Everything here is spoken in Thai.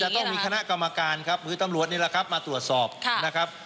ต้องมีคณะกรรมการครับมือตำรวจนี่แหละครับมาตรวจสอบนะครับ